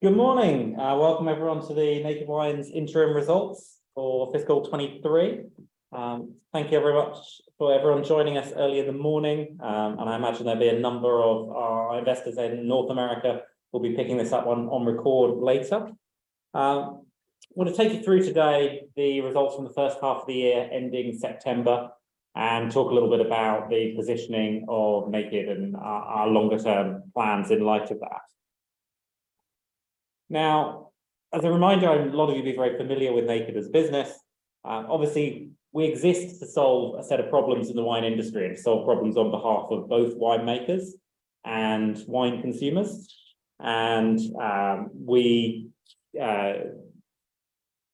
Good morning. Welcome everyone to the Naked Wines Interim Results for Fiscal 2023. Thank you very much for everyone joining us early in the morning. I imagine there'll be a number of our investors out in North America will be picking this up on record later. Wanna take you through today the results from the first half of the year ending September and talk a little bit about the positioning of Naked and our longer term plans in light of that. As a reminder, a lot of you be very familiar with Naked as a business. Obviously, we exist to solve a set of problems in the wine industry and solve problems on behalf of both winemakers and wine consumers and we.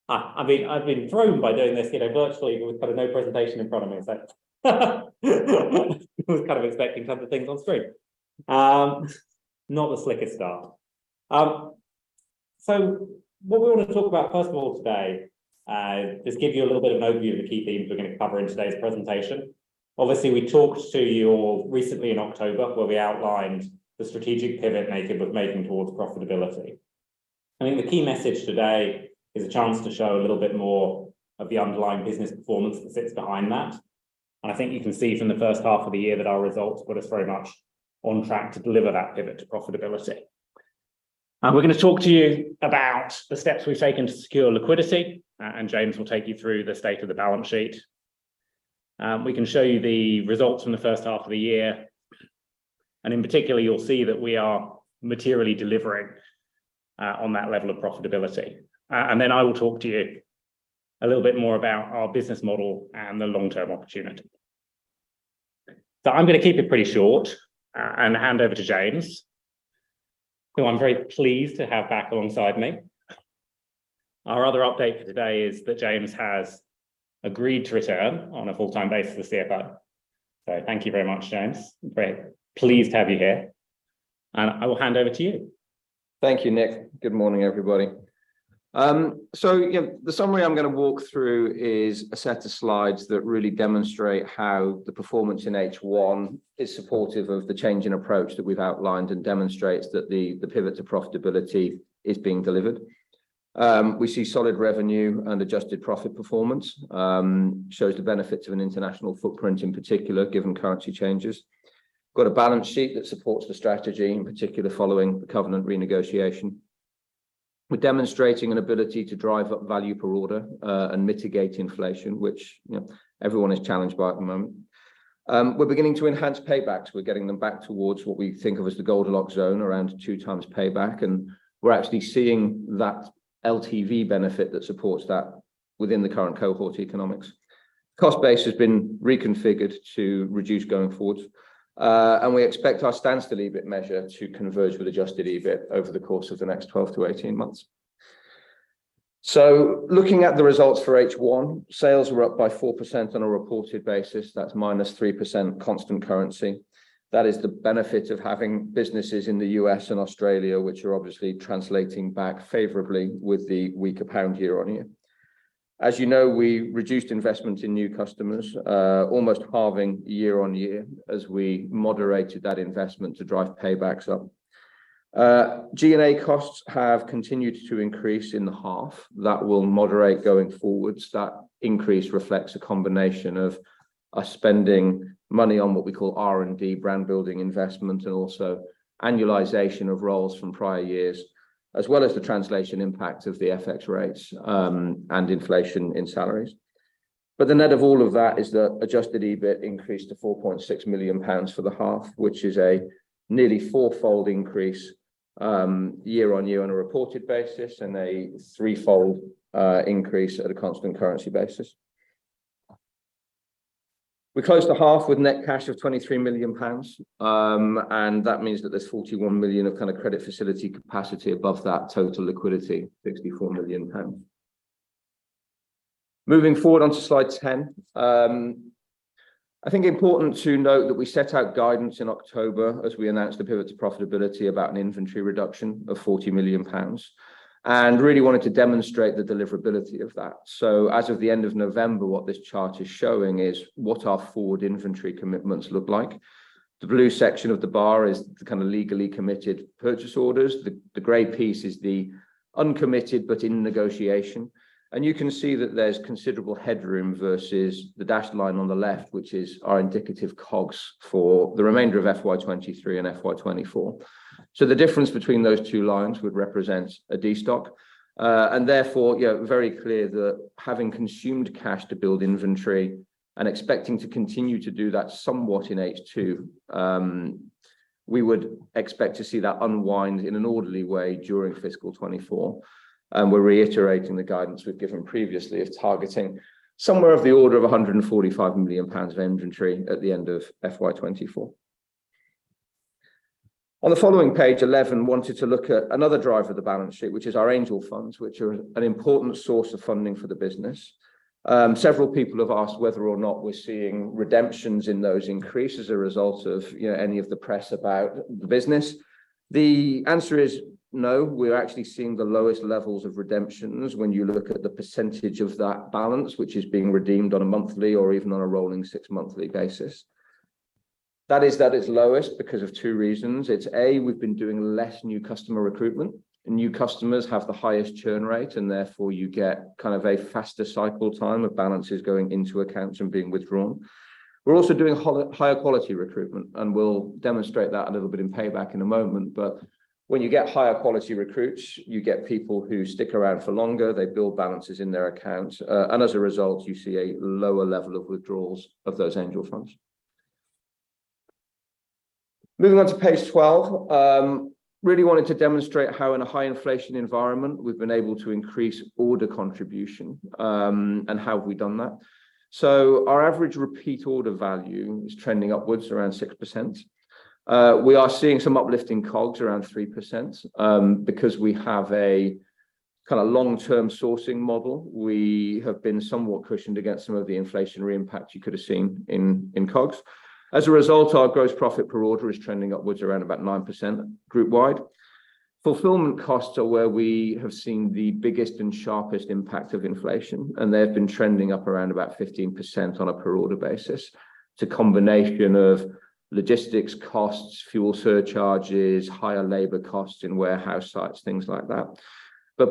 I've been thrown by doing this, you know, virtually with kinda no presentation in front of me. Was kind of expecting to have the things on screen. Not the slickest start. What we wanna talk about first of all today, just give you a little bit of an overview of the key themes we're gonna cover in today's presentation. Obviously, we talked to you all recently in October, where we outlined the strategic pivot Naked was making towards profitability. I think the key message today is a chance to show a little bit more of the underlying business performance that sits behind that. I think you can see from the first half of the year that our results put us very much on track to deliver that pivot to profitability. We're gonna talk to you about the steps we've taken to secure liquidity, and James will take you through the state of the balance sheet. We can show you the results from the first half of the year. In particular, you'll see that we are materially delivering on that level of profitability. I will talk to you a little bit more about our business model and the long-term opportunity. I'm gonna keep it pretty short and hand over to James, who I'm very pleased to have back alongside me. Our other update for today is that James has agreed to return on a full-time basis this year. Thank you very much, James. Very pleased to have you here. I will hand over to you. Thank you, Nick. Good morning, everybody. You know, the summary I'm gonna walk through is a set of slides that really demonstrate how the performance in H1 is supportive of the change in approach that we've outlined and demonstrates that the pivot to profitability is being delivered. We see solid revenue and adjusted profit performance, shows the benefits of an international footprint, in particular, given currency changes. Got a balance sheet that supports the strategy, in particular, following the covenant renegotiation. We're demonstrating an ability to drive up value per order and mitigate inflation, which, you know, everyone is challenged by at the moment. We're beginning to enhance paybacks. We're getting them back towards what we think of as the Goldilocks zone around 2 times payback, and we're actually seeing that LTV benefit that supports that within the current cohort economics. Cost base has been reconfigured to reduce going forward. We expect our Standstill EBIT measure to converge with Adjusted EBIT over the course of the next 12-18 months. Looking at the results for H1, sales were up by 4% on a reported basis. That's -3% constant currency. That is the benefit of having businesses in the U.S. and Australia, which are obviously translating back favorably with the weaker pound year-on-year. As you know, we reduced investment in new customers, almost halving year-on-year as we moderated that investment to drive paybacks up. G&A costs have continued to increase in the half. That will moderate going forward. That increase reflects a combination of us spending money on what we call R&D brand building investment and also annualization of roles from prior years, as well as the translation impact of the FX rates and inflation in salaries. The net of all of that is that Adjusted EBIT increased to 4.6 million pounds for the half, which is a nearly four-fold increase year-over-year on a reported basis and a three-fold increase at a constant currency basis. We closed the half with net cash of 23 million pounds. That means that there's 41 million of kinda credit facility capacity above that total liquidity, 64 million pounds. Moving forward onto slide 10. I think important to note that we set out guidance in October as we announced the pivot to profitability about an inventory reduction of 40 million pounds, and really wanted to demonstrate the deliverability of that. As of the end of November, what this chart is showing is what our forward inventory commitments look like. The blue section of the bar is the kinda legally committed purchase orders. The gray piece is the uncommitted but in negotiation. You can see that there's considerable headroom versus the dashed line on the left, which is our indicative COGS for the remainder of FY 2023 and FY 2024. The difference between those two lines would represent a destock. Therefore, you know, very clear that having consumed cash to build inventory and expecting to continue to do that somewhat in H two, we would expect to see that unwind in an orderly way during Fiscal 2024. We're reiterating the guidance we've given previously of targeting somewhere of the order of 145 million pounds of inventory at the end of FY 2024. On the following page 11, wanted to look at another driver of the balance sheet, which is our Angel funds, which are an important source of funding for the business. Several people have asked whether or not we're seeing redemptions in those increases as a result of, you know, any of the press about the business. The answer is no. We're actually seeing the lowest levels of redemptions when you look at the percentage of that balance, which is being redeemed on a monthly or even on a rolling six monthly basis. That is that it's lowest because of two reasons. It's A, we've been doing less new customer recruitment. New customers have the highest churn rate, and therefore you get kind of a faster cycle time of balances going into accounts and being withdrawn. We're also doing higher quality recruitment, and we'll demonstrate that a little bit in payback in a moment. When you get higher quality recruits, you get people who stick around for longer, they build balances in their accounts, and as a result, you see a lower level of withdrawals of those Angel funds. Moving on to page 12, really wanted to demonstrate how in a high inflation environment, we've been able to increase order contribution, and how have we done that. Our average repeat order value is trending upwards around 6%. We are seeing some uplift in COGS around 3%, because we have a kinda long-term sourcing model. We have been somewhat cushioned against some of the inflationary impact you could have seen in COGS. As a result, our gross profit per order is trending upwards around about 9% group wide. Fulfillment costs are where we have seen the biggest and sharpest impact of inflation, and they've been trending up around about 15% on a per order basis. It's a combination of logistics costs, fuel surcharges, higher labor costs in warehouse sites, things like that.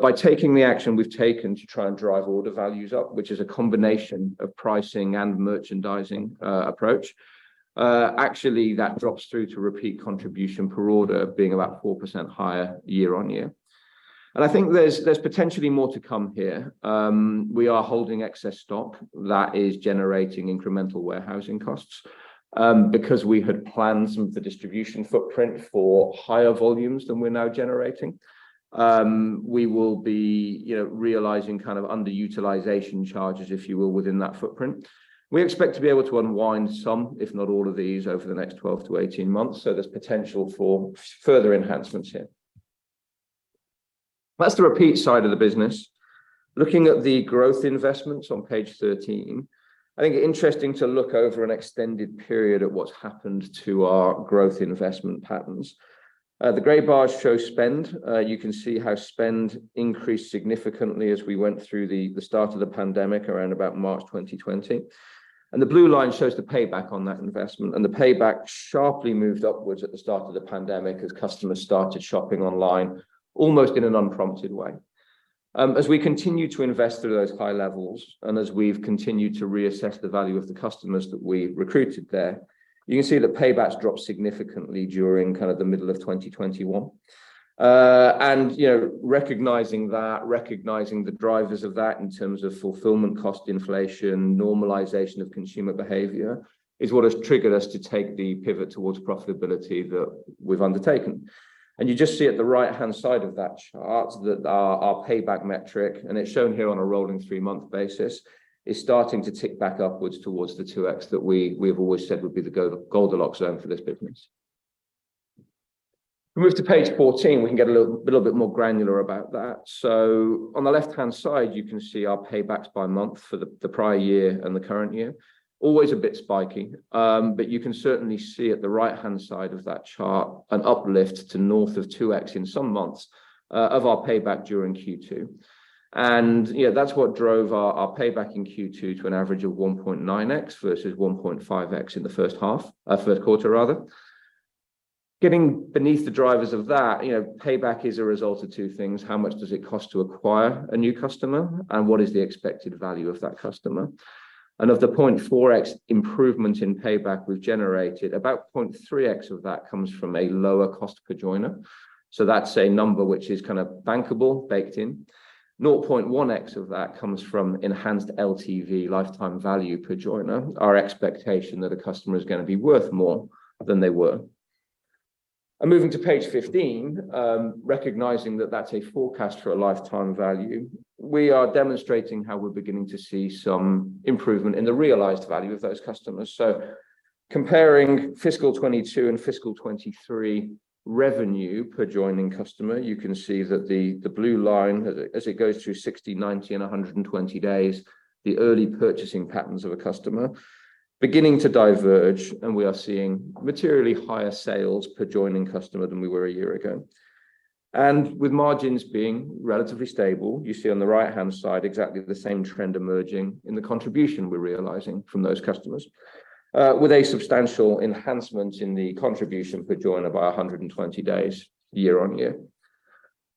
By taking the action we've taken to try and drive order values up, which is a combination of pricing and merchandising, approach, actually that drops through to repeat contribution per order being about 4% higher year-on-year. I think there's potentially more to come here. We are holding excess stock that is generating incremental warehousing costs, because we had planned some of the distribution footprint for higher volumes than we're now generating. We will be, you know, realizing kind of underutilization charges, if you will, within that footprint. We expect to be able to unwind some, if not all of these over the next 12-18 months, so there's potential for further enhancements here. That's the repeat side of the business. Looking at the growth investments on page 13, I think interesting to look over an extended period at what's happened to our growth investment patterns. The gray bars show spend. You can see how spend increased significantly as we went through the start of the pandemic around about March 2020. The blue line shows the payback on that investment, and the payback sharply moved upwards at the start of the pandemic as customers started shopping online almost in an unprompted way. As we continue to invest through those high levels and as we've continued to reassess the value of the customers that we recruited there, you can see that payback's dropped significantly during kind of the middle of 2021. You know, recognizing that, recognizing the drivers of that in terms of fulfillment cost inflation, normalization of consumer behavior is what has triggered us to take the pivot towards profitability that we've undertaken. You just see at the right-hand side of that chart that our payback metric, and it's shown here on a rolling three-month basis, is starting to tick back upwards towards the 2x that we have always said would be the Goldilocks zone for this business. If we move to page 14, we can get a little bit more granular about that. On the left-hand side, you can see our paybacks by month for the prior year and the current year. Always a bit spiky, but you can certainly see at the right-hand side of that chart an uplift to north of 2x in some months of our payback during Q2. Yeah, that's what drove our payback in Q2 to an average of 1.9x versus 1.5x in the first half, Q1 rather. Getting beneath the drivers of that, you know, payback is a result of two things. How much does it cost to acquire a new customer, and what is the expected value of that customer? Of the 0.4x improvement in payback we've generated, about 0.3x of that comes from a lower cost per joiner. That's a number which is kind of bankable, baked in. 0.1x of that comes from enhanced LTV, lifetime value per joiner, our expectation that a customer is gonna be worth more than they were. Moving to page 15, recognizing that that's a forecast for a lifetime value, we are demonstrating how we're beginning to see some improvement in the realized value of those customers. Comparing Fiscal 2022 and Fiscal 2023 revenue per joining customer, you can see that the blue line as it goes through 60, 90, and 120 days, the early purchasing patterns of a customer beginning to diverge, we are seeing materially higher sales per joining customer than we were a year ago. With margins being relatively stable, you see on the right-hand side exactly the same trend emerging in the contribution we're realizing from those customers, with a substantial enhancement in the contribution per joiner by 120 days year-on-year.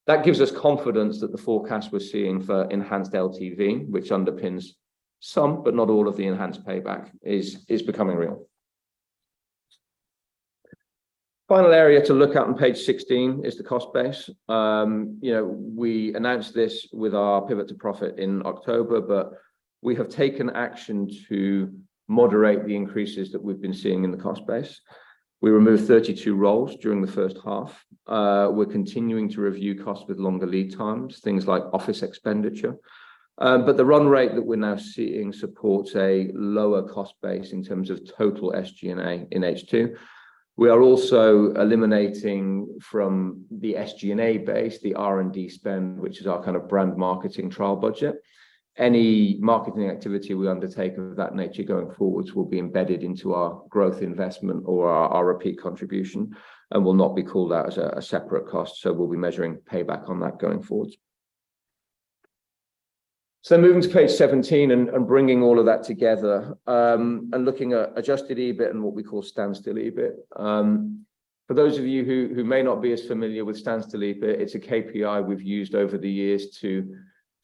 That gives us confidence that the forecast we're seeing for enhanced LTV, which underpins some but not all of the enhanced payback, is becoming real. Final area to look at on page 16 is the cost base. You know, we announced this with our pivot to profit in October, we have taken action to moderate the increases that we've been seeing in the cost base. We removed 32 roles during the first half. We're continuing to review costs with longer lead times, things like office expenditure. But the run rate that we're now seeing supports a lower cost base in terms of total SG&A in H2. We are also eliminating from the SG&A base the R&D spend, which is our kind of brand marketing trial budget. Any marketing activity we undertake of that nature going forwards will be embedded into our growth investment or our repeat contribution and will not be called out as a separate cost. We'll be measuring payback on that going forwards. Moving to page 17 and bringing all of that together, and looking at Adjusted EBIT and what we call Standstill EBIT. For those of you who may not be as familiar with Standstill EBIT, it's a KPI we've used over the years to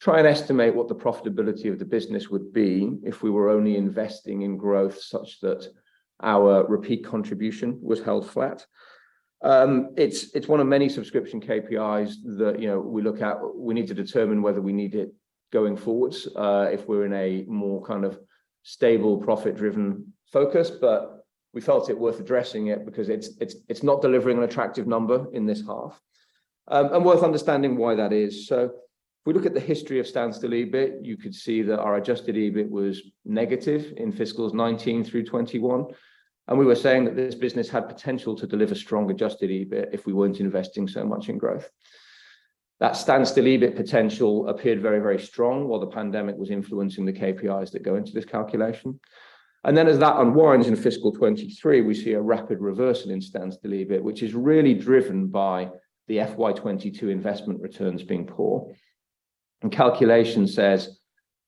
try and estimate what the profitability of the business would be if we were only investing in growth such that our repeat contribution was held flat. It's one of many subscription KPIs that, you know, we look at. We need to determine whether we need it going forwards, if we're in a more kind of stable, profit-driven focus. We felt it worth addressing it because it's not delivering an attractive number in this half. Worth understanding why that is. If we look at the history of Standstill EBIT, you could see that our Adjusted EBIT was negative in Fiscals 2019 through 2021. We were saying that this business had potential to deliver strong Adjusted EBIT if we weren't investing so much in growth. That Standstill EBIT potential appeared very, very strong while the pandemic was influencing the KPIs that go into this calculation. Then as that unwinds in Fiscal 2023, we see a rapid reversal in Standstill EBIT, which is really driven by the FY 2022 investment returns being poor. Calculation says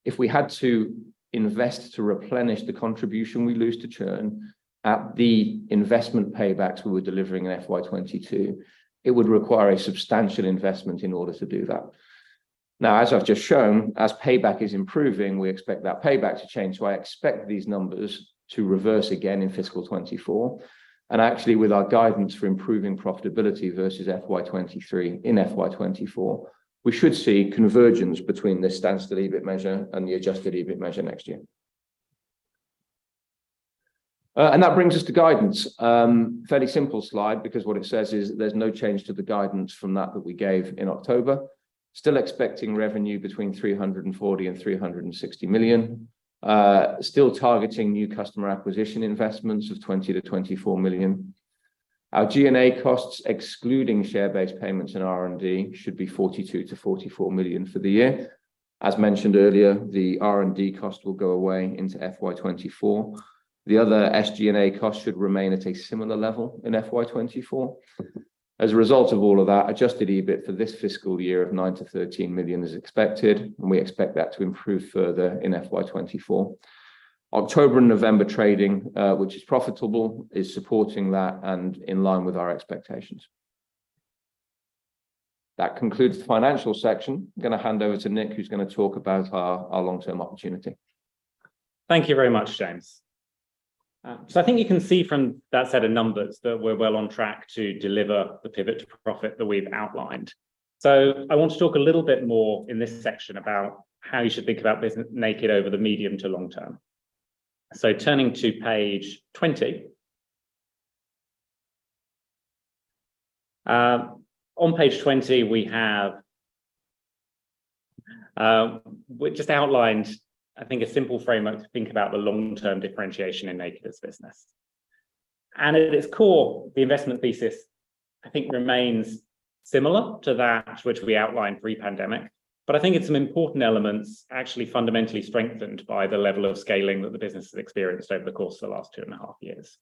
if we had to invest to replenish the contribution we lose to churn at the investment paybacks we were delivering in FY 2022, it would require a substantial investment in order to do that. As I've just shown, as payback is improving, we expect that payback to change. I expect these numbers to reverse again in Fiscal 2024. Actually, with our guidance for improving profitability versus FY 2023 in FY 2024, we should see convergence between this Standstill EBIT measure and the Adjusted EBIT measure next year. That brings us to guidance. Fairly simple slide because what it says is there's no change to the guidance from that we gave in October. Still expecting revenue between 340 million and 360 million. Still targeting new customer acquisition investments of 20 million-24 million. Our G&A costs, excluding share-based payments in R&D, should be 42 million-44 million for the year. As mentioned earlier, the R&D cost will go away into FY 2024. The other SG&A costs should remain at a similar level in FY 2024. As a result of all of that, Adjusted EBIT for this Fiscal Year of 9 million-13 million is expected. We expect that to improve further in FY 2024. October and November trading, which is profitable, is supporting that and in line with our expectations. That concludes the financial section. Gonna hand over to Nick, who's gonna talk about our long-term opportunity. Thank you very much, James. I think you can see from that set of numbers that we're well on track to deliver the pivot to profit that we've outlined. I want to talk a little bit more in this section about how you should think about business Naked over the medium to long-term. Turning to page 20. On page 20 we have, we just outlined I think a simple framework to think about the long-term differentiation in Naked as business. At its core, the investment thesis I think remains similar to that which we outlined pre-pandemic, but I think it's an important element actually fundamentally strengthened by the level of scaling that the business has experienced over the course of the last 2.5 years.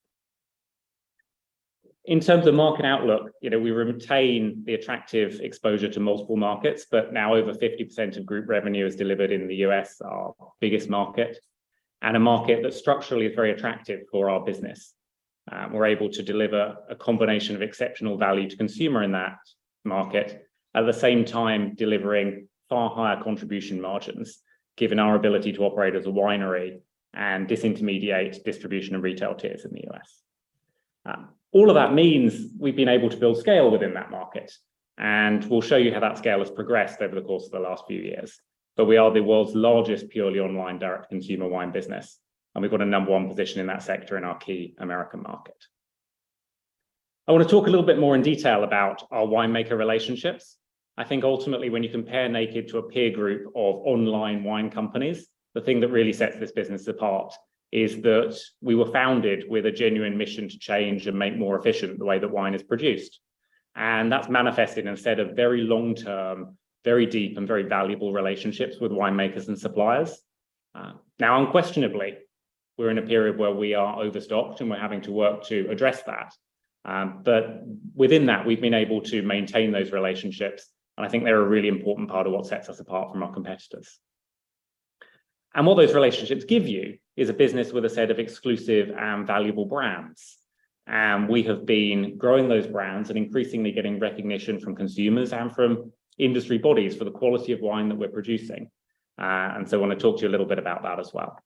In terms of market outlook, you know, we retain the attractive exposure to multiple markets. Now over 50% of group revenue is delivered in the US, our biggest market, and a market that structurally is very attractive for our business. We're able to deliver a combination of exceptional value to consumer in that market, at the same time delivering far higher contribution margins given our ability to operate as a winery and disintermediate distribution and retail tiers in the US. All of that means we've been able to build scale within that market, and we'll show you how that scale has progressed over the course of the last few years. We are the world's largest purely online direct-to-consumer wine business, and we've got a number one position in that sector in our key American market. I wanna talk a little bit more in detail about our winemaker relationships. I think ultimately when you compare Naked to a peer group of online wine companies, the thing that really sets this business apart is that we were founded with a genuine mission to change and make more efficient the way that wine is produced. That's manifested in a set of very long-term, very deep and very valuable relationships with winemakers and suppliers. Now unquestionably, we're in a period where we are overstocked and we're having to work to address that. Within that we've been able to maintain those relationships and I think they're a really important part of what sets us apart from our competitors. What those relationships give you is a business with a set of exclusive and valuable brands, and we have been growing those brands and increasingly getting recognition from consumers and from industry bodies for the quality of wine that we're producing. I wanna talk to you a little bit about that as well.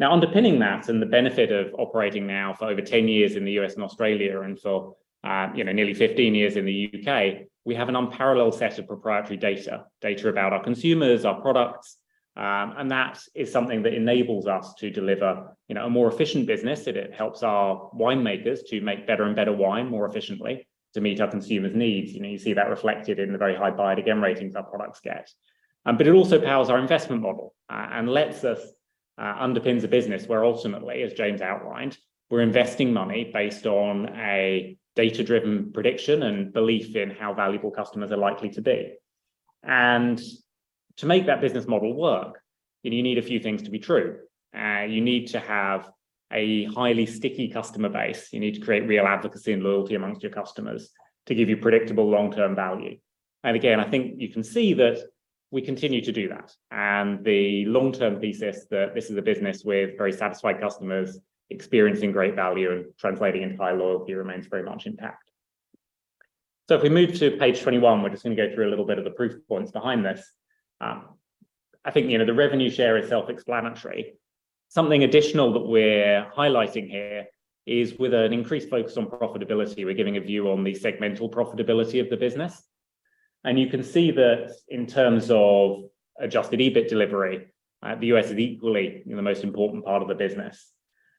Underpinning that and the benefit of operating now for over 10 years in the U.S. and Australia and for, you know, nearly 15 years in the U.K., we have an unparalleled set of proprietary data about our consumers, our products, that is something that enables us to deliver, you know, a more efficient business and it helps our winemakers to make better and better wine more efficiently to meet our consumers' needs. You know, you see that reflected in the very high buy it again ratings our products get. It also powers our investment model, and lets us underpins the business where ultimately, as James outlined, we're investing money based on a data-driven prediction and belief in how valuable customers are likely to be. To make that business model work. You need a few things to be true. You need to have a highly sticky customer base. You need to create real advocacy and loyalty amongst your customers to give you predictable long-term value. Again, I think you can see that we continue to do that. The long-term thesis that this is a business with very satisfied customers experiencing great value and translating into high loyalty remains very much intact. If we move to page 21, we're just gonna go through a little bit of the proof points behind this. I think, you know, the revenue share is self-explanatory. Something additional that we're highlighting here is with an increased focus on profitability, we're giving a view on the segmental profitability of the business. You can see that in terms of Adjusted EBIT delivery, the US is equally the most important part of the business.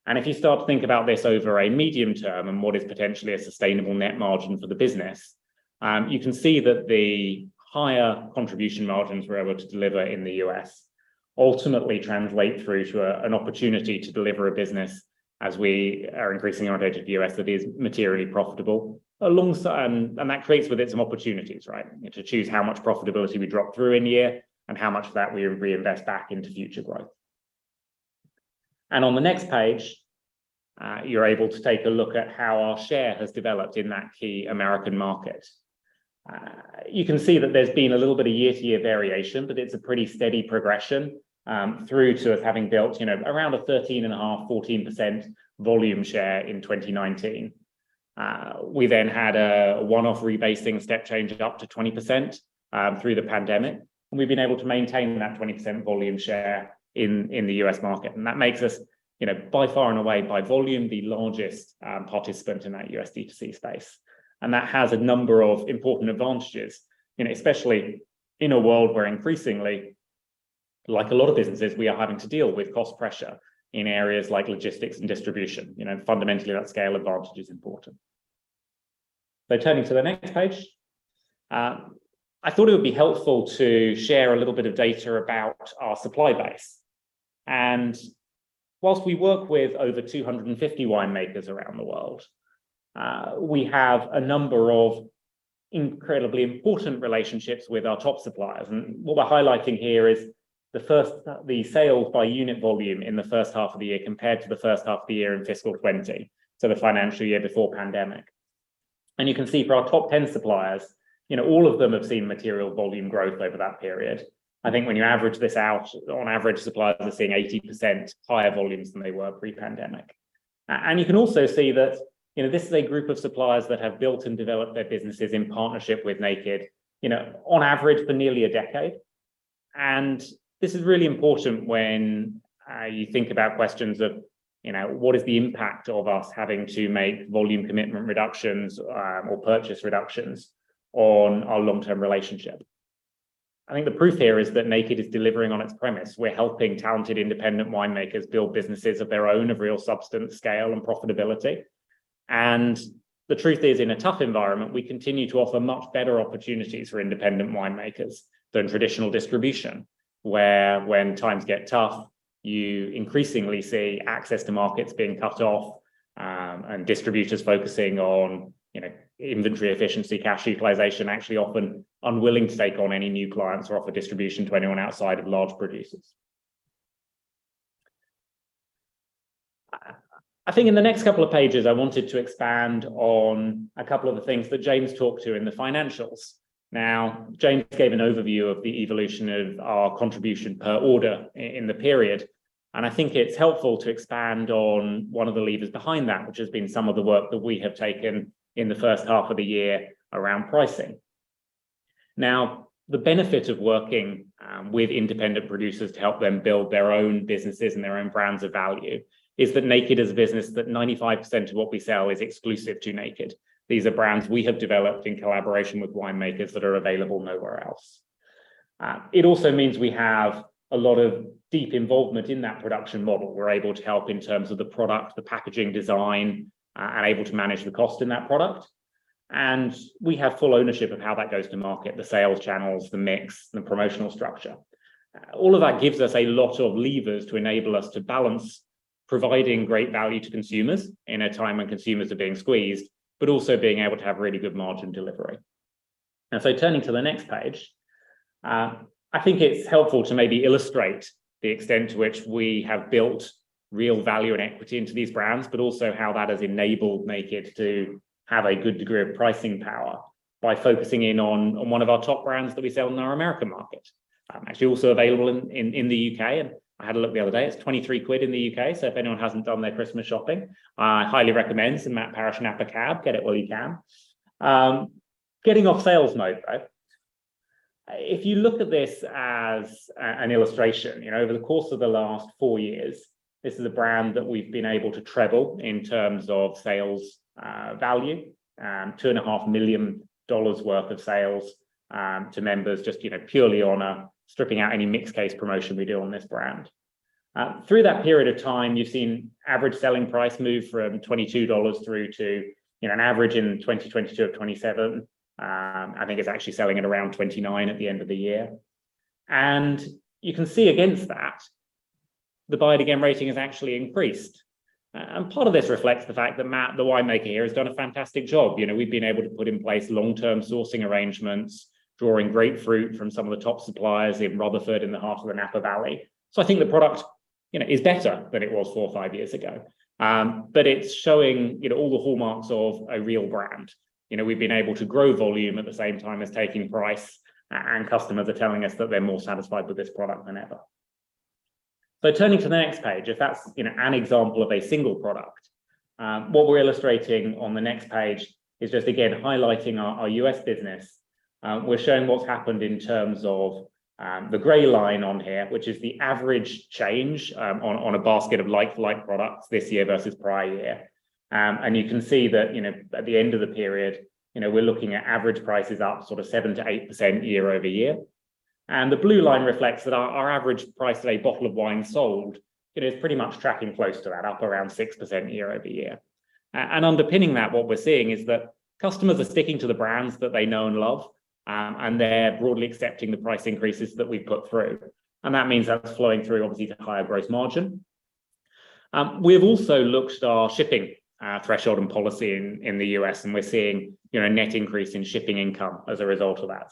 If you start to think about this over a medium term and what is potentially a sustainable net margin for the business, you can see that the higher contribution margins we're able to deliver in the US ultimately translate through to an opportunity to deliver a business as we are increasing our rate of US that is materially profitable alongside, and that creates with it some opportunities, right? To choose how much profitability we drop through in a year and how much of that we reinvest back into future growth. On the next page, you're able to take a look at how our share has developed in that key American market. You can see that there's been a little bit of year-to-year variation, but it's a pretty steady progression through to us having built, you know, around a 13.5%, 14% volume share in 2019. We then had a one-off rebasing step change it up to 20% through the pandemic. We've been able to maintain that 20% volume share in the U.S. market, and that makes us, you know, by far and away by volume, the largest participant in that D2C space. That has a number of important advantages, you know, especially in a world where increasingly, like a lot of businesses, we are having to deal with cost pressure in areas like logistics and distribution. You know, fundamentally, that scale advantage is important. Turning to the next page, I thought it would be helpful to share a little bit of data about our supply base. Whilst we work with over 250 winemakers around the world, we have a number of incredibly important relationships with our top suppliers. What we're highlighting here is the sales by unit volume in the first half of the year compared to the first half of the year in Fiscal 2020, so the financial year before pandemic. You can see for our top 10 suppliers, you know, all of them have seen material volume growth over that period. I think when you average this out, on average, suppliers are seeing 80% higher volumes than they were pre-pandemic. You can also see that, you know, this is a group of suppliers that have built and developed their businesses in partnership with Naked, you know, on average for nearly a decade. This is really important when you think about questions of, you know, what is the impact of us having to make volume commitment reductions or purchase reductions on our long-term relationship. I think the proof here is that Naked is delivering on its premise. We're helping talented independent winemakers build businesses of their own of real substance, scale, and profitability. The truth is, in a tough environment, we continue to offer much better opportunities for independent winemakers than traditional distribution, where when times get tough, you increasingly see access to markets being cut off, and distributors focusing on, you know, inventory efficiency, cash utilization, actually often unwilling to take on any new clients or offer distribution to anyone outside of large producers. I think in the next couple of pages, I wanted to expand on a couple of the things that James talked to in the financials. James gave an overview of the evolution of our contribution per order in the period. I think it's helpful to expand on one of the levers behind that, which has been some of the work that we have taken in the first half of the year around pricing. The benefit of working with independent producers to help them build their own businesses and their own brands of value is that Naked is a business that 95% of what we sell is exclusive to Naked. These are brands we have developed in collaboration with winemakers that are available nowhere else. It also means we have a lot of deep involvement in that production model. We're able to help in terms of the product, the packaging design, and able to manage the cost in that product. We have full ownership of how that goes to market, the sales channels, the mix, the promotional structure. All of that gives us a lot of levers to enable us to balance providing great value to consumers in a time when consumers are being squeezed, but also being able to have really good margin delivery. Turning to the next page, I think it's helpful to maybe illustrate the extent to which we have built real value and equity into these brands, but also how that has enabled Naked to have a good degree of pricing power by focusing in on one of our top brands that we sell in our American market. actually also available in the U.K., and I had a look the other day. It's 23 quid in the U.K., so if anyone hasn't done their Christmas shopping, I highly recommend some Matt Parish Napa Cab. Get it while you can. Getting off sales mode, right? If you look at this as an illustration, you know, over the course of the last four years, this is a brand that we've been able to treble in terms of sales value, two and a half million dollars worth of sales to members just, you know, purely on a stripping out any mixed case promotion we do on this brand. Through that period of time, you've seen average selling price move from $22 through to, you know, an average in 2022 of $27. I think it's actually selling at around $29 at the end of the year. You can see against that. The buy it again rating has actually increased. Part of this reflects the fact that Matt, the winemaker here, has done a fantastic job. You know, we've been able to put in place long-term sourcing arrangements, drawing great fruit from some of the top suppliers in Rutherford in the heart of the Napa Valley. I think the product, you know, is better than it was four or five years ago. It's showing, you know, all the hallmarks of a real brand. You know, we've been able to grow volume at the same time as taking price, and customers are telling us that they're more satisfied with this product than ever. Turning to the next page, if that's, you know, an example of a single product, what we're illustrating on the next page is just again highlighting our U.S. business. We're showing what's happened in terms of the gray line on here, which is the average change on a basket of like-for-like products this year versus prior year. You can see that, you know, at the end of the period, you know, we're looking at average prices up sort of 7%-8% year-over-year. The blue line reflects that our average price of a bottle of wine sold, you know, is pretty much tracking close to that, up around 6% year-over-year. Underpinning that, what we're seeing is that customers are sticking to the brands that they know and love, and they're broadly accepting the price increases that we've put through. That means that's flowing through obviously to higher gross margin. We've also looked at our shipping threshold and policy in the US, and we're seeing, you know, a net increase in shipping income as a result of that.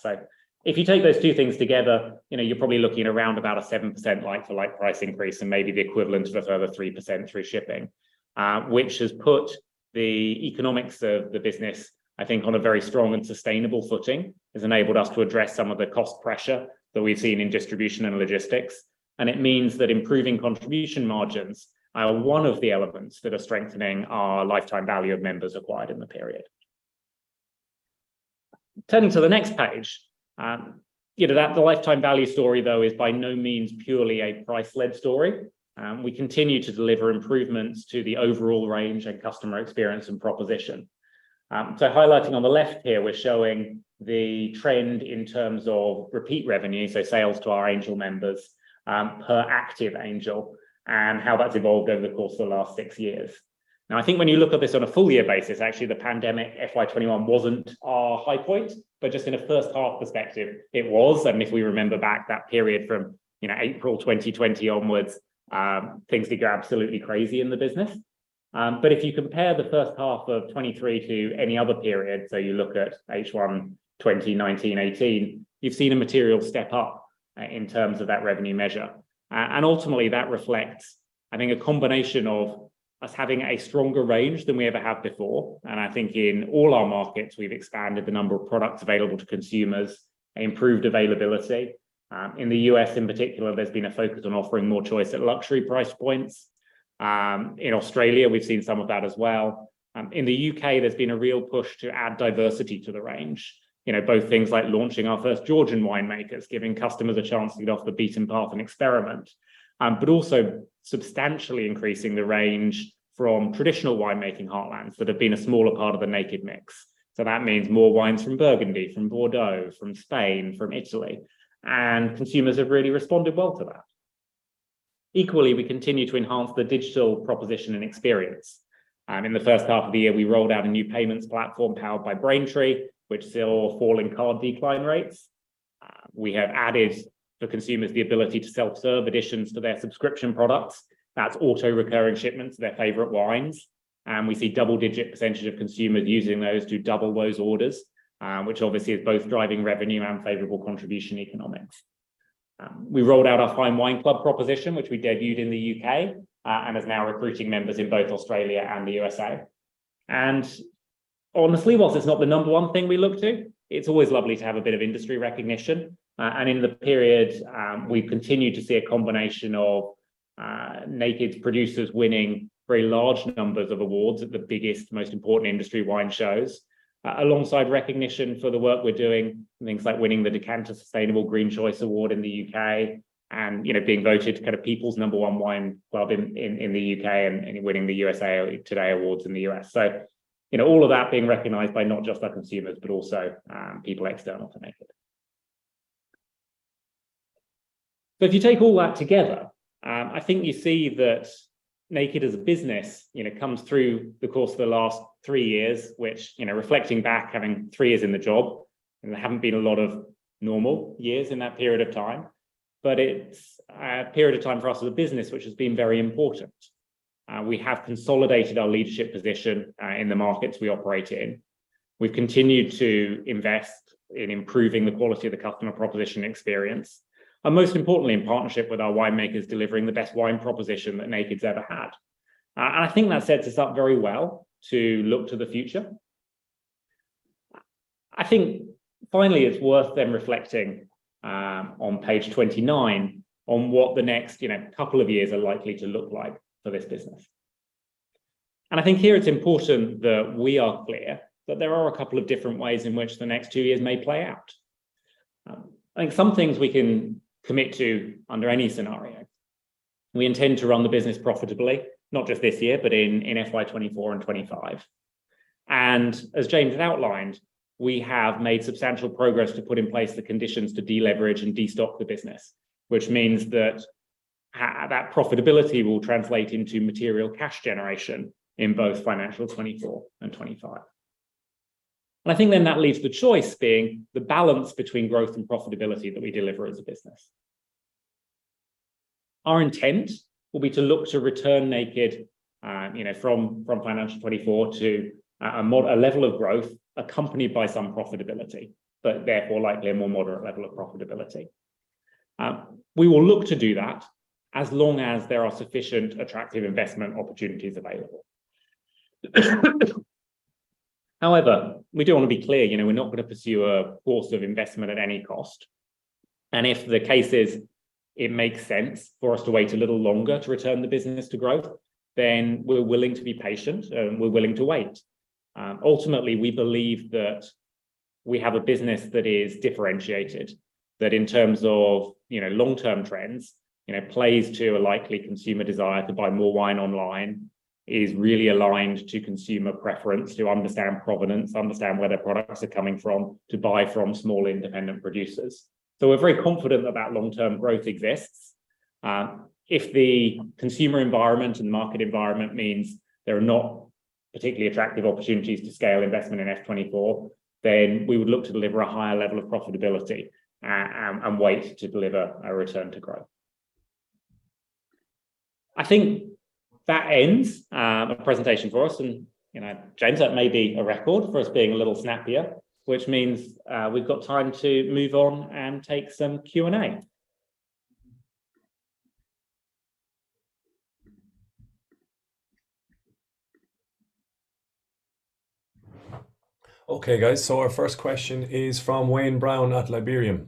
If you take those two things together, you know, you're probably looking around about a 7% like-for-like price increase and maybe the equivalent of a further 3% through shipping, which has put the economics of the business, I think, on a very strong and sustainable footing. It's enabled us to address some of the cost pressure that we've seen in distribution and logistics, and it means that improving contribution margins are one of the elements that are strengthening our lifetime value of members acquired in the period. Turning to the next page, you know, the lifetime value story, though, is by no means purely a price-led story. We continue to deliver improvements to the overall range and customer experience and proposition. Highlighting on the left here, we're showing the trend in terms of repeat revenue, so sales to our Angel members, per active Angel and how that's evolved over the course of the last six years. I think when you look at this on a full year basis, actually the pandemic FY 2021 wasn't our high point, but just in a first half perspective, it was. If we remember back that period from April 2020 onwards, things did go absolutely crazy in the business. If you compare the first half of 2023 to any other period, you looked at H1 2020, 2019, 2018, you've seen a material step up in terms of that revenue measure. Ultimately, that reflects, I think, a combination of us having a stronger range than we ever have before. I think in all our markets, we've expanded the number of products available to consumers, improved availability. In the U.S. in particular, there's been a focus on offering more choice at luxury price points. In Australia, we've seen some of that as well. In the U.K., there's been a real push to add diversity to the range. You know, both things like launching our first Georgian winemakers, giving customers a chance to get off the beaten path and experiment, but also substantially increasing the range from traditional winemaking heartlands that have been a smaller part of the Naked mix. That means more wines from Burgundy, from Bordeaux, from Spain, from Italy, and consumers have really responded well to that. Equally, we continue to enhance the digital proposition and experience. In the first half of the year, we rolled out a new payments platform powered by Braintree, which saw falling card decline rates. We have added for consumers the ability to self-serve additions to their subscription products. That's auto-recurring shipments of their favorite wines. We see double-digit % of consumers using those to double those orders, which obviously is both driving revenue and favorable contribution economics. We rolled out our Fine Wine Club proposition, which we debuted in the U.K., and is now recruiting members in both Australia and the USA. Honestly, whilst it's not the number one thing we look to, it's always lovely to have a bit of industry recognition. In the period, we've continued to see a combination of Naked's producers winning very large numbers of awards at the biggest, most important industry wine shows, alongside recognition for the work we're doing, things like winning the Decanter Sustainable Green Choice Award in the U.K. and, you know, being voted kind of people's number one wine club in the U.K. and winning the USA Today Awards in the U.S. You know, all of that being recognized by not just our consumers, but also, people external to Naked. If you take all that together, I think you see that Naked as a business, you know, comes through the course of the last three years, which, you know, reflecting back, having three years in the job, there haven't been a lot of normal years in that period of time, but it's a period of time for us as a business which has been very important. We have consolidated our leadership position, in the markets we operate in. We've continued to invest in improving the quality of the customer proposition experience, and most importantly, in partnership with our winemakers, delivering the best wine proposition that Naked's ever had. I think that sets us up very well to look to the future. I think finally it's worth then reflecting, on page 29 on what the next, you know, couple of years are likely to look like for this business. I think here it's important that we are clear that there are a couple of different ways in which the next two years may play out. I think some things we can commit to under any scenario. We intend to run the business profitably, not just this year, but in FY 2024 and 2025. As James had outlined, we have made substantial progress to put in place the conditions to deleverage and destock the business, which means that profitability will translate into material cash generation in both financial 2024 and 2025. I think that leaves the choice being the balance between growth and profitability that we deliver as a business. Our intent will be to look to return Naked, you know, from financial 2024 to a level of growth accompanied by some profitability, but therefore likely a more moderate level of profitability. We will look to do that as long as there are sufficient attractive investment opportunities available. We do wanna be clear, you know, we're not gonna pursue a course of investment at any cost. If the case is it makes sense for us to wait a little longer to return the business to growth, then we're willing to be patient and we're willing to wait. Ultimately, we believe that we have a business that is differentiated. That in terms of, you know, long-term trends, you know, plays to a likely consumer desire to buy more wine online, is really aligned to consumer preference to understand provenance, understand where their products are coming from, to buy from small independent producers. We're very confident that that long-term growth exists. If the consumer environment and market environment means there are not particularly attractive opportunities to scale investment in F24, then we would look to deliver a higher level of profitability and wait to deliver a return to growth. I think that ends the presentation for us and, you know, James, that may be a record for us being a little snappier, which means we've got time to move on and take some Q&A. Okay, guys. Our first question is from Wayne Brown at Liberum.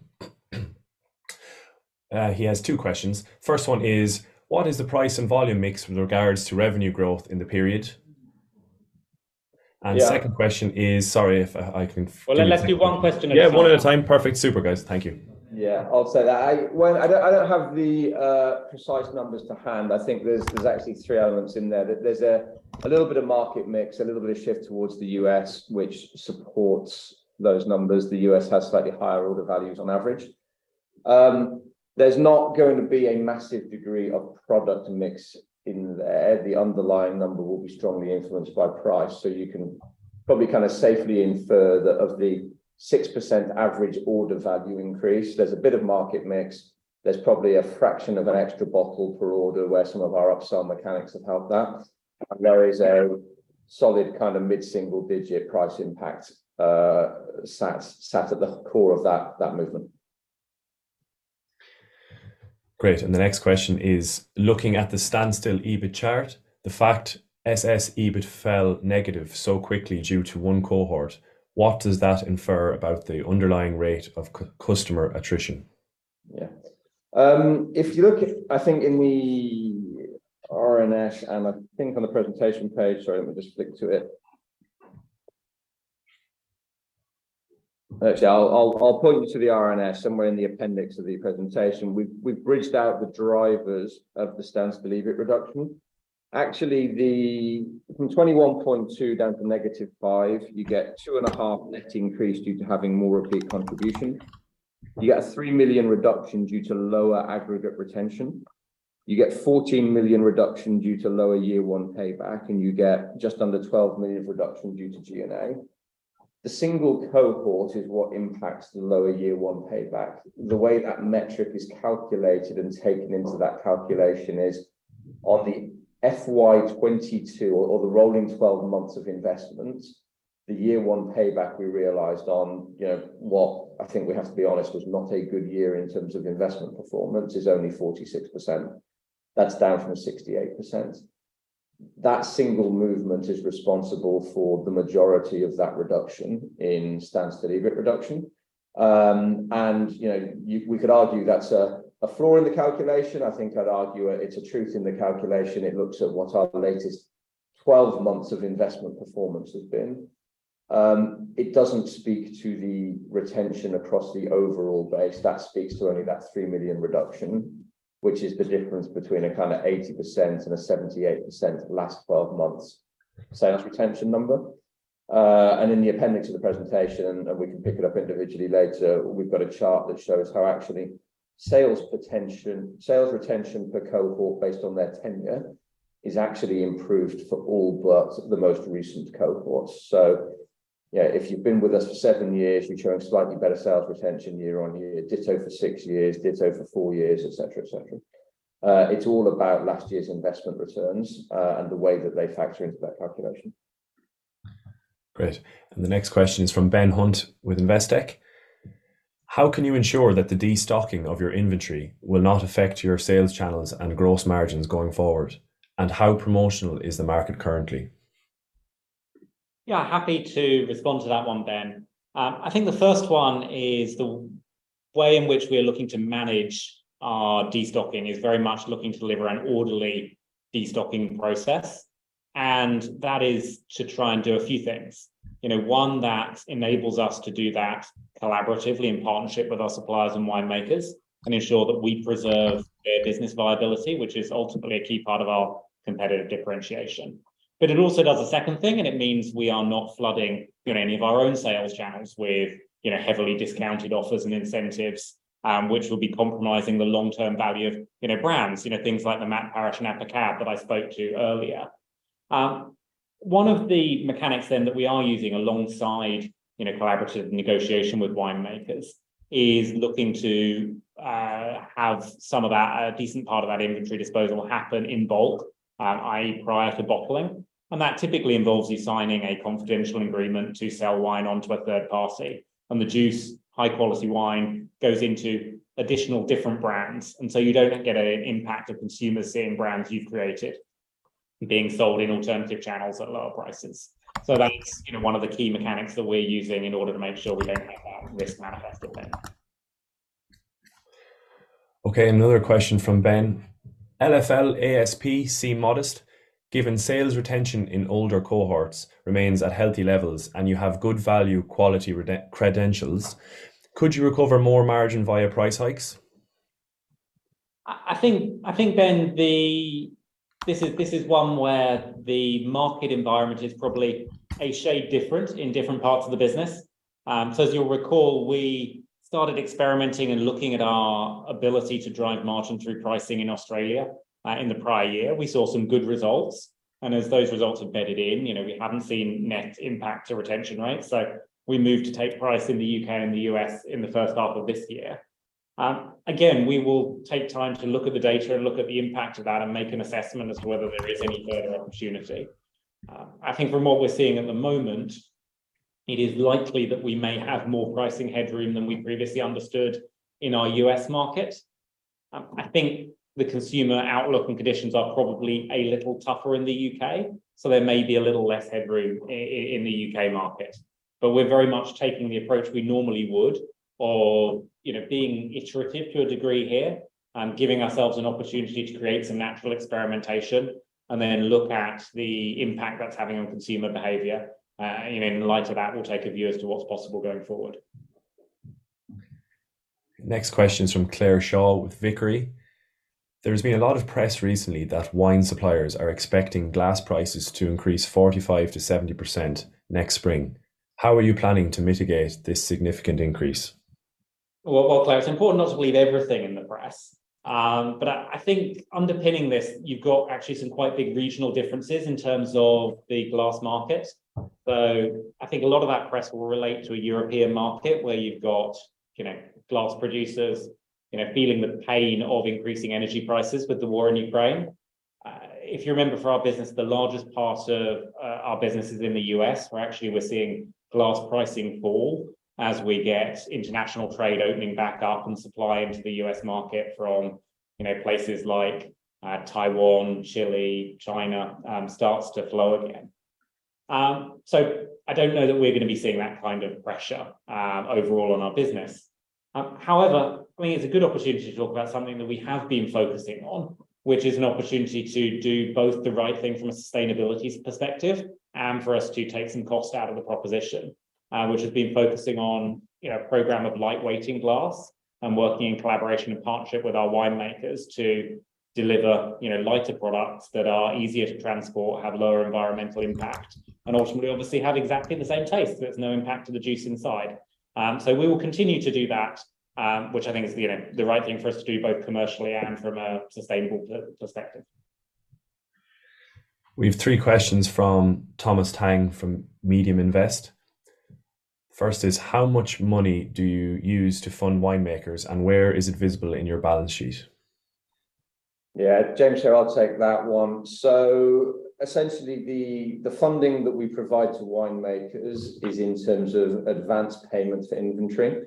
He has two questions. First one is: What is the price and volume mix with regards to revenue growth in the period? Yeah. The second question is. Sorry if I confused- Well, let's do one question at a time. Yeah, one at a time. Perfect. Super, guys. Thank you. Yeah. I'll say that. Well, I don't, I don't have the precise numbers to hand. I think there's actually three elements in there. There's a little bit of market mix, a little bit of shift towards the U.S. which supports those numbers. The U.S. has slightly higher order values on average. There's not going to be a massive degree of product mix in there. The underlying number will be strongly influenced by price. You can probably kinda safely infer that of the 6% average order value increase, there's a bit of market mix. There's probably a fraction of an extra bottle per order where some of our upsell mechanics have helped that. There is a solid kind of mid-single digit price impact, sat at the core of that movement. Great. The next question is: Looking at the Standstill EBIT chart, the fact SS EBIT fell negative so quickly due to one cohort, what does that infer about the underlying rate of customer attrition? Yeah. If you look at, I think, in the RNS and I think on the presentation page. Sorry, let me just flick to it. Actually, I'll point you to the RNS somewhere in the appendix of the presentation. We've bridged out the drivers of the Standstill EBIT reduction. Actually, from 21.2 down to negative 5, you get two and a half net increase due to having more repeat contribution. You get a 3 million reduction due to lower aggregate retention. You get 14 million reduction due to lower year one payback, you get just under 12 million of reduction due to G&A. The single cohort is what impacts the lower year one payback. The way that metric is calculated and taken into that calculation is on the FY 2022 or the rolling 12 months of investments, the year one payback we realized on, you know, what I think we have to be honest was not a good year in terms of investment performance, is only 46%. That's down from 68%. That single movement is responsible for the majority of that reduction in Standstill EBIT reduction. You know, we could argue that's a flaw in the calculation. I think I'd argue it's a truth in the calculation. It looks at what our latest 12 months of investment performance has been. It doesn't speak to the retention across the overall base. That speaks to only that 3 million reduction, which is the difference between a kinda 80% and a 78% last 12 months sales retention number. In the appendix of the presentation, and we can pick it up individually later, we've got a chart that shows how actually sales retention per cohort based on their tenure has actually improved for all but the most recent cohorts. Yeah, if you've been with us for seven years, we're showing slightly better sales retention year-on-year, ditto for six years, ditto for four years, et cetera, et cetera. It's all about last year's investment returns, and the way that they factor into that calculation. Great. The next question is from Ben Hunt with Investec. How can you ensure that the destocking of your inventory will not affect your sales channels and gross margins going forward? How promotional is the market currently? Yeah, happy to respond to that one, Ben. I think the first one is the way in which we are looking to manage our destocking is very much looking to deliver an orderly destocking process, and that is to try and do a few things. You know, one that enables us to do that collaboratively in partnership with our suppliers and winemakers, and ensure that we preserve their business viability, which is ultimately a key part of our competitive differentiation. It also does a second thing, and it means we are not flooding, you know, any of our own sales channels with, you know, heavily discounted offers and incentives, which will be compromising the long-term value of, you know, brands. You know, things like the Matt Parish and Apothic that I spoke to earlier. One of the mechanics then that we are using alongside, you know, collaborative negotiation with winemakers is looking to have some of that, a decent part of that inventory disposal happen in bulk, i.e., prior to bottling. That typically involves you signing a confidential agreement to sell wine onto a third party. The juice, high quality wine, goes into additional different brands. You don't get an impact of consumers seeing brands you've created being sold in alternative channels at lower prices. That's, you know, one of the key mechanics that we're using in order to make sure we don't have that risk manifested then. Okay, another question from Ben. LFL ASP seem modest, given sales retention in older cohorts remains at healthy levels and you have good value quality credentials, could you recover more margin via price hikes? I think, Ben, this is one where the market environment is probably a shade different in different parts of the business. As you'll recall, we started experimenting and looking at our ability to drive margin through pricing in Australia in the prior year. We saw some good results. As those results embedded in, you know, we haven't seen net impact to retention rates. We moved to take price in the U.K. and the U.S. in the first half of this year. We will take time to look at the data and look at the impact of that and make an assessment as to whether there is any further opportunity. From what we're seeing at the moment, it is likely that we may have more pricing headroom than we previously understood in our U.S. market. I think the consumer outlook and conditions are probably a little tougher in the UK. There may be a little less headroom in the UK market. We're very much taking the approach we normally would of, you know, being iterative to a degree here and giving ourselves an opportunity to create some natural experimentation and then look at the impact that's having on consumer behavior. You know, in the light of that, we'll take a view as to what's possible going forward. Next question is from Wayne Brown with Liberum. There's been a lot of press recently that wine suppliers are expecting glass prices to increase 45%-70% next spring. How are you planning to mitigate this significant increase? Well, Wayne Brown, it's important not to believe everything in the press. I think underpinning this, you've got actually some quite big regional differences in terms of the glass market. I think a lot of that press will relate to a European market where you've got, you know, glass producers, you know, feeling the pain of increasing energy prices with the war in Ukraine. If you remember for our business, the largest part of our business is in the U.S., where actually we're seeing glass pricing fall as we get international trade opening back up and supply into the U.S. market from, you know, places like, Taiwan, Chile, China, starts to flow again. I don't know that we're gonna be seeing that kind of pressure, overall on our business. However, I mean, it's a good opportunity to talk about something that we have been focusing on, which is an opportunity to do both the right thing from a sustainability perspective and for us to take some cost out of the proposition. Which has been focusing on, you know, a program of lightweighting glass and working in collaboration and partnership with our winemakers to deliver, you know, lighter products that are easier to transport, have lower environmental impact, and ultimately, obviously, have exactly the same taste. There's no impact to the juice inside. We will continue to do that, which I think is, you know, the right thing for us to do both commercially and from a sustainable perspective. We have three questions from Thomas Stein from Medium Invest. First is, how much money do you use to fund winemakers, and where is it visible in your balance sheet? Yeah, James here, I'll take that one. The funding that we provide to winemakers is in terms of advanced payment for inventory.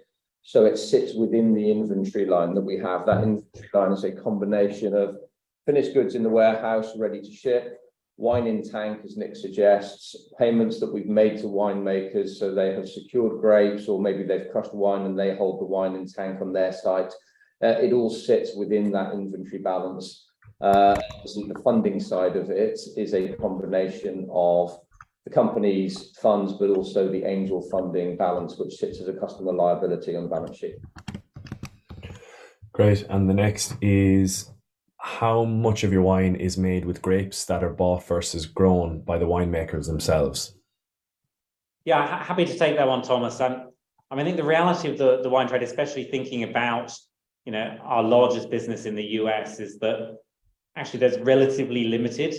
It sits within the inventory line that we have. That inventory line is a combination of finished goods in the warehouse ready to ship, wine in tank, as Nick suggests, payments that we've made to winemakers, so they have secured grapes, or maybe they've crushed wine and they hold the wine in tank on their site. It all sits within that inventory balance. The funding side of it is a combination of the company's funds, but also the Angel funding balance, which sits as a customer liability on the balance sheet. Great. The next is how much of your wine is made with grapes that are bought versus grown by the winemakers themselves? Yeah. Happy to take that one, Thomas. I mean, I think the reality of the wine trade, especially thinking about, you know, our largest business in the US, is that actually there's relatively limited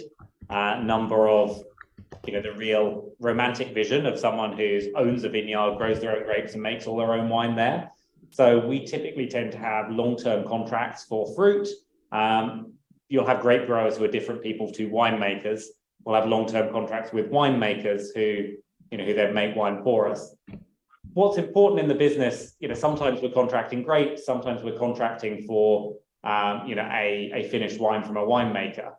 number of, you know, the real romantic vision of someone who owns a vineyard, grows their own grapes, and makes all their own wine there. We typically tend to have long-term contracts for fruit. You'll have grape growers who are different people to winemakers. We'll have long-term contracts with winemakers who, you know, who then make wine for us. What's important in the business, you know, sometimes we're contracting grapes, sometimes we're contracting for, you know, a finished wine from a winemaker.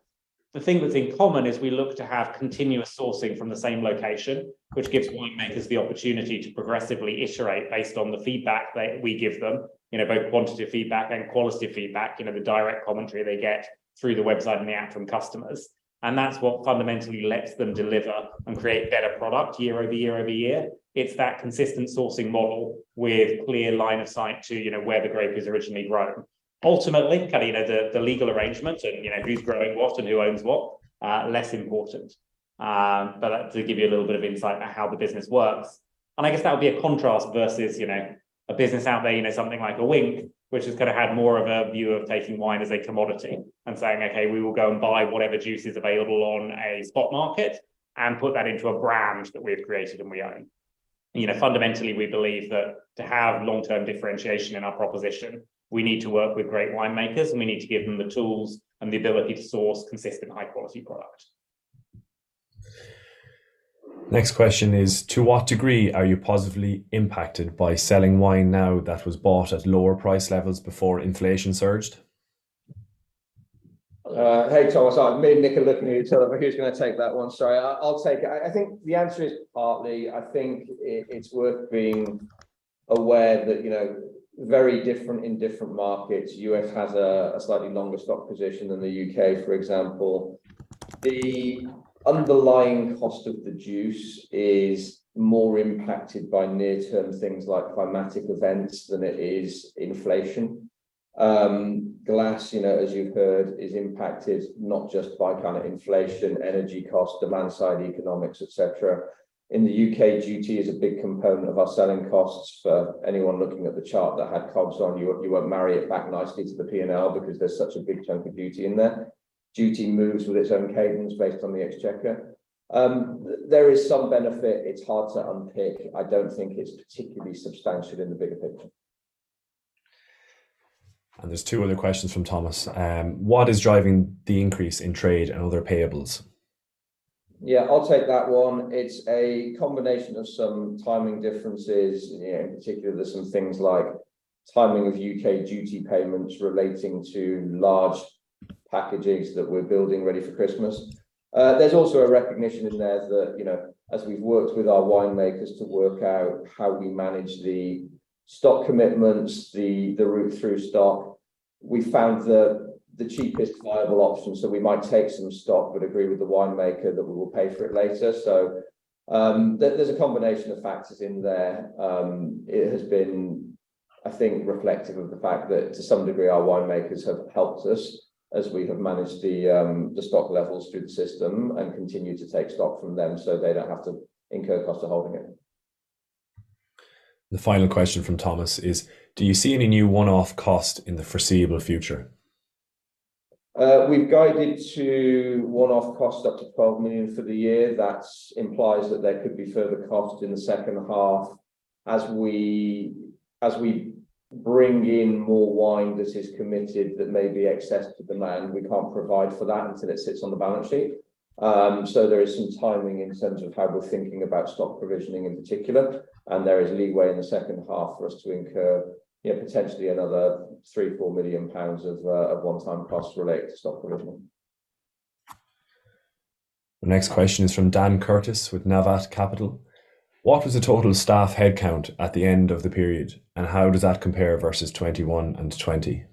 The thing that's in common is we look to have continuous sourcing from the same location, which gives winemakers the opportunity to progressively iterate based on the feedback that we give them. You know, both quantitative feedback and qualitative feedback. You know, the direct commentary they get through the website and the app from customers. That's what fundamentally lets them deliver and create better product year-over-year. It's that consistent sourcing model with clear line of sight to, you know, where the grape is originally grown. Ultimately, kind of, you know, the legal arrangement and, you know, who's growing what and who owns what, less important. To give you a little bit of insight on how the business works. I guess that would be a contrast versus, you know... A business out there, you know, something like a Winc, which has kind of had more of a view of taking wine as a commodity and saying, "Okay, we will go and buy whatever juice is available on a spot market and put that into a brand that we've created and we own." You know, fundamentally, we believe that to have long-term differentiation in our proposition, we need to work with great winemakers, and we need to give them the tools and the ability to source consistent high-quality product. Next question is: To what degree are you positively impacted by selling wine now that was bought at lower price levels before inflation surged? Hey, Thomas. Me and Nick are looking at each other for who's gonna take that one. Sorry. I'll take it. I think the answer is partly, I think it's worth being aware that, you know, very different in different markets. U.S. has a slightly longer stock position than the U.K., for example. The underlying cost of the juice is more impacted by near-term things like climatic events than it is inflation. Glass, you know, as you've heard, is impacted not just by kind of inflation, energy cost, demand side economics, et cetera. In the U.K., duty is a big component of our selling costs. For anyone looking at the chart that had COGS on, you won't marry it back nicely to the P&L because there's such a big chunk of duty in there. Duty moves with its own cadence based on the Exchequer. There is some benefit. It's hard to unpick. I don't think it's particularly substantial in the bigger picture. There's two other questions from Thomas. What is driving the increase in trade and other payables? Yeah, I'll take that one. It's a combination of some timing differences. You know, in particular, there's some things like timing of U.K. duty payments relating to large packages that we're building ready for Christmas. There's also a recognition in there that, you know, as we've worked with our winemakers to work out how we manage the stock commitments, the route through stock, we found the cheapest viable option. We might take some stock, but agree with the winemaker that we will pay for it later. There's a combination of factors in there. It has been, I think, reflective of the fact that to some degree, our winemakers have helped us as we have managed the stock levels through the system and continue to take stock from them, so they don't have to incur cost of holding it. The final question from Thomas is: Do you see any new one-off cost in the foreseeable future? We've guided to one-off cost up to 12 million for the year. That's implies that there could be further cost in the second half. As we bring in more wine that is committed that may be excess to demand, we can't provide for that until it sits on the balance sheet. There is some timing in terms of how we're thinking about stock provisioning in particular, and there is leeway in the second half for us to incur, you know, potentially another 3 million-4 million pounds of one-time costs related to stock provisioning. The next question is from Dan Curtis with Navat Capital. What was the total staff headcount at the end of the period, and how does that compare versus 2021 and 2020?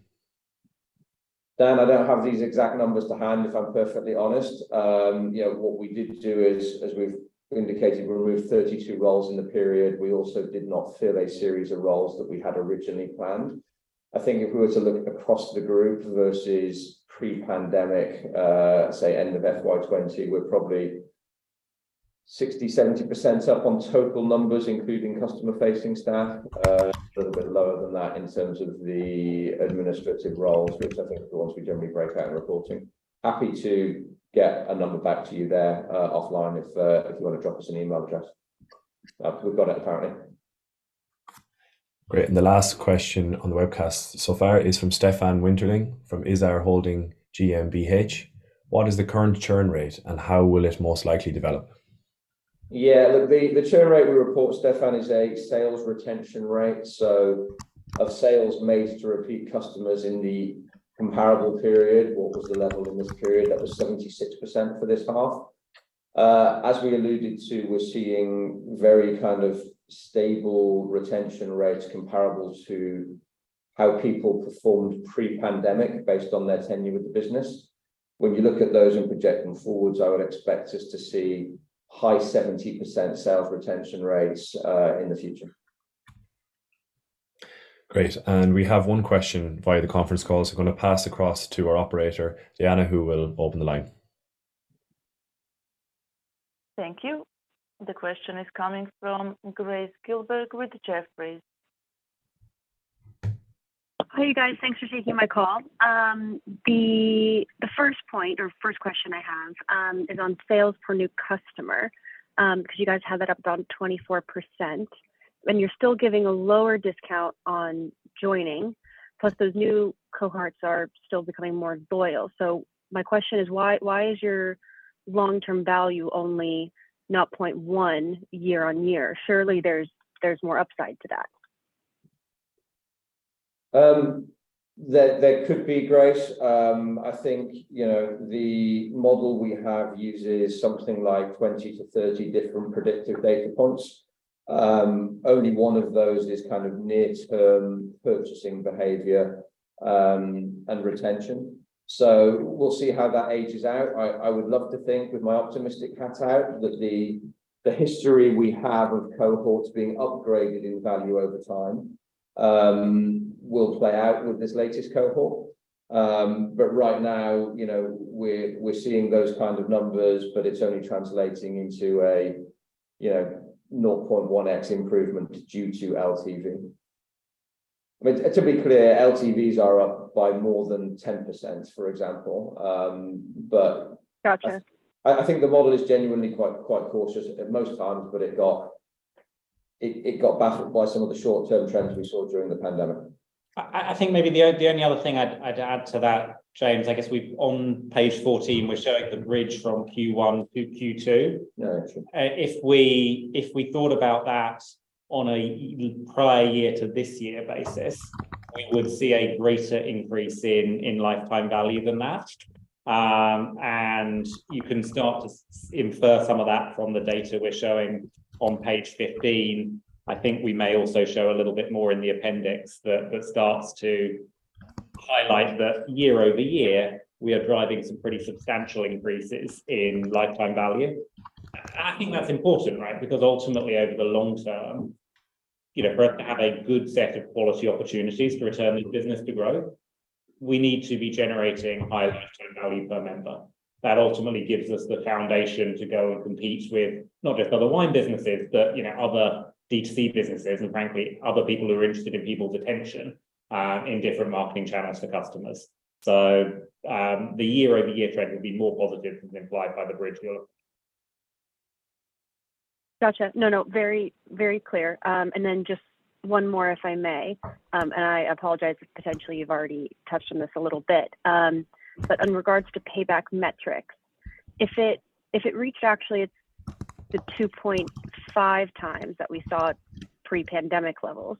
Dan, I don't have these exact numbers to hand, if I'm perfectly honest. You know, what we did do is, as we've indicated, we removed 32 roles in the period. We also did not fill a series of roles that we had originally planned. I think if we were to look across the group versus pre-pandemic, say end of FY 2020, we're probably 60%, 70% up on total numbers, including customer-facing staff. A little bit lower than that in terms of the administrative roles, which I think are the ones we generally break out in reporting. Happy to get a number back to you there, offline if you wanna drop us an email address. We've got it apparently. Great. The last question on the webcast so far is from Stefan Winterling from Isar Holding GmbH. What is the current churn rate, and how will it most likely develop? Yeah, look, the churn rate we report, Stefan, is a sales retention rate, so of sales made to repeat customers in the comparable period. What was the level in this period? That was 76% for this half. As we alluded to, we're seeing very kind of stable retention rates comparable to how people performed pre-pandemic based on their tenure with the business. When you look at those and projecting forwards, I would expect us to see high 70% sales retention rates in the future. Great. We have one question via the conference call, gonna pass across to our operator, Diana, who will open the line. Thank you. The question is coming from Grace Gilberg with Jefferies. Hey, guys. Thanks for taking my call. The first point or first question I have is on sales per new customer, 'cause you guys have that up around 24%, and you're still giving a lower discount on joining, plus those new cohorts are still becoming more loyal. My question is why is your long-term value only 0.1 year-on-year? Surely there's more upside to that. There could be, Grace. I think, you know, the model we have uses something like 20 to 30 different predictive data points. Only one of those is kind of near-term purchasing behavior, and retention. We'll see how that ages out. I would love to think with my optimistic hat out that the history we have of cohorts being upgraded in value over time will play out with this latest cohort. Right now, you know, we're seeing those kind of numbers, but it's only translating into a, you know, 0.1x improvement due to LTV. I mean, to be clear, LTVs are up by more than 10%, for example. Gotcha... I think the model is genuinely quite cautious at most times, but it got battered by some of the short-term trends we saw during the pandemic. I think maybe the only other thing I'd add to that, James, I guess on page 14, we're showing the bridge from Q1 to Q2. Yeah, true. If we thought about that on a year prior year to this year basis, we would see a greater increase in lifetime value than that. You can start to infer some of that from the data we're showing on page 15. I think we may also show a little bit more in the appendix that starts to highlight that year-over-year, we are driving some pretty substantial increases in lifetime value. I think that's important, right? Because ultimately, over the long-term, you know, for us to have a good set of quality opportunities to return this business to growth, we need to be generating higher lifetime value per member. That ultimately gives us the foundation to go and compete with not just other wine businesses, but, you know, other D2C businesses and frankly, other people who are interested in people's attention, in different marketing channels to customers. The year-over-year trend will be more positive than implied by the bridge look. Gotcha. No, no, very, very clear. Then just one more, if I may, and I apologize if potentially you've already touched on this a little bit. In regards to payback metrics, if it reached actually the 2.5 times that we saw at pre-pandemic levels,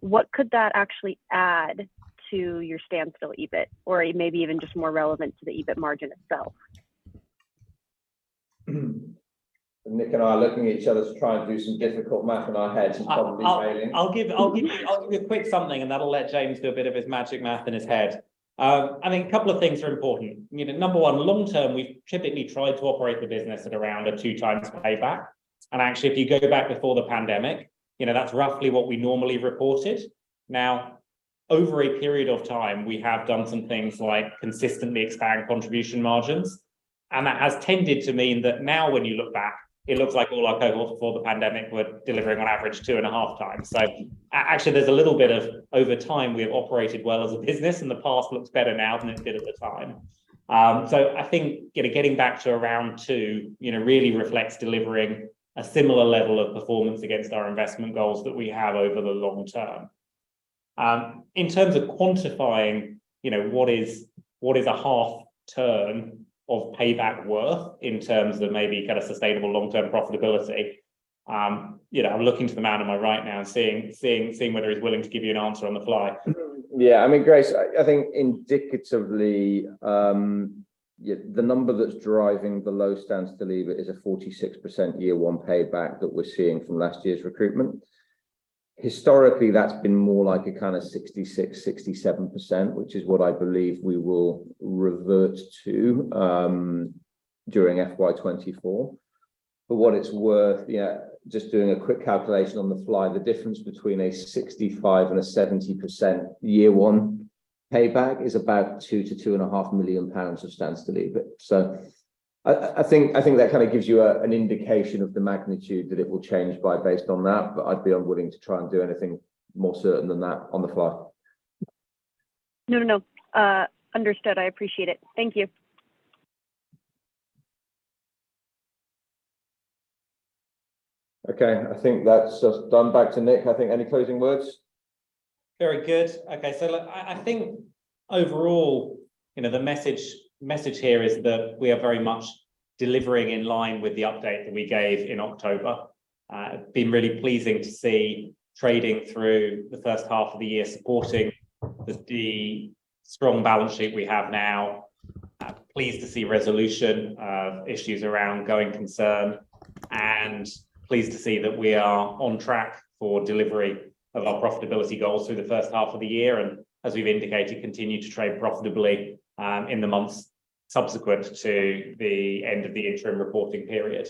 what could that actually add to your Standstill EBIT? Or maybe even just more relevant to the EBIT margin itself. Nick and I are looking at each other to try and do some difficult math in our heads and probably failing. I'll give you a quick something, that'll let James do a bit of his magic math in his head. I think a couple of things are important. You know, number one, long-term, we've typically tried to operate the business at around a two times payback. Actually, if you go back before the pandemic, you know, that's roughly what we normally reported. Now, over a period of time, we have done some things like consistently expand contribution margins, that has tended to mean that now when you look back, it looks like all our cohorts before the pandemic were delivering on average two and a half times. Actually, there's a little bit of over time, we have operated well as a business, and the past looks better now than it did at the time. I think getting back to around two, you know, really reflects delivering a similar level of performance against our investment goals that we have over the long-term. In terms of quantifying, you know, what is a half turn of payback worth in terms of maybe kind of sustainable long-term profitability, you know, I'm looking to the man on my right now and seeing whether he's willing to give you an answer on the fly. Yeah. I mean, Grace, I think indicatively, the number that's driving the low Standstill EBIT is a 46% year one payback that we're seeing from last year's recruitment. Historically, that's been more like a kinda 66%-67%, which is what I believe we will revert to during FY 2024. What it's worth, just doing a quick calculation on the fly, the difference between a 65% and a 70% year one payback is about 2 million-2.5 million pounds of Standstill EBIT. I think that kinda gives you an indication of the magnitude that it will change by based on that, but I'd be unwilling to try and do anything more certain than that on the fly. No, no. understood. I appreciate it. Thank you. Okay. I think that's us done. Back to Nick, I think. Any closing words? Very good. Okay. Look, I think overall, you know, the message here is that we are very much delivering in line with the update that we gave in October. Been really pleasing to see trading through the first half of the year supporting the strong balance sheet we have now. Pleased to see resolution of issues around going concern, and pleased to see that we are on track for delivery of our profitability goals through the first half of the year, and as we've indicated, continue to trade profitably in the months subsequent to the end of the interim reporting period.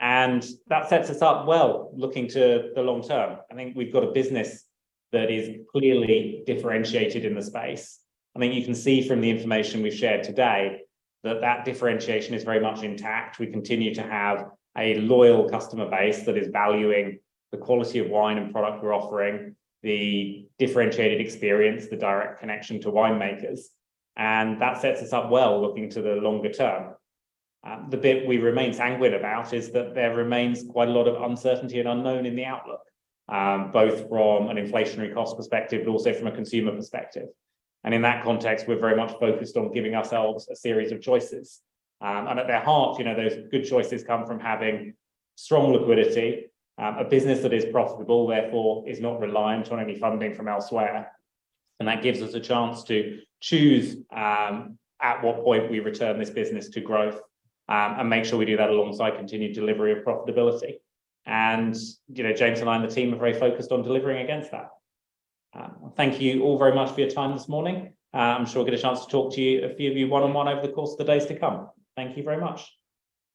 That sets us up well looking to the long-term. I think we've got a business that is clearly differentiated in the space. I think you can see from the information we've shared today that that differentiation is very much intact. We continue to have a loyal customer base that is valuing the quality of wine and product we're offering, the differentiated experience, the direct connection to winemakers, that sets us up well looking to the longer-term. The bit we remain sanguine about is that there remains quite a lot of uncertainty and unknown in the outlook, both from an inflationary cost perspective, but also from a consumer perspective. In that context, we're very much focused on giving ourselves a series of choices. At their heart, you know, those good choices come from having strong liquidity, a business that is profitable, therefore is not reliant on any funding from elsewhere. That gives us a chance to choose, at what point we return this business to growth, and make sure we do that alongside continued delivery of profitability. You know, James and I and the team are very focused on delivering against that. Thank you all very much for your time this morning. I'm sure we'll get a chance to talk to you, a few of you one-on-one over the course of the days to come. Thank you very much.